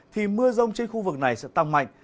thì mưa rông trên khu vực này sẽ tăng mạnh